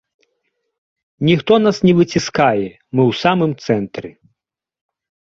Ніхто нас не выціскае, мы ў самым цэнтры.